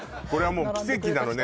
もう奇跡なのね